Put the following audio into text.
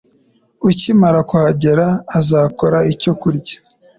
Ukimara kuhagera, azakora icyo kurya.